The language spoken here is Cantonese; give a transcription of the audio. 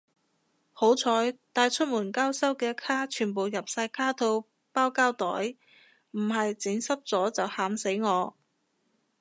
好彩帶出門交收嘅卡全部入晒卡套包膠袋，唔係整濕咗就喊死我